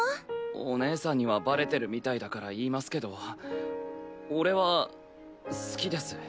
お姉さんにはバレてるみたいだから言いますけど俺は好きです。